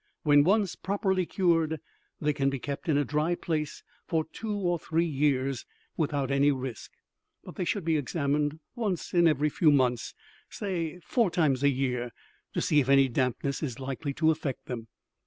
When once properly cured, they can be kept in a dry place for two or three years without any risk; but they should be examined once in every few months, say four times a year, to see if any dampness is likely to affect them.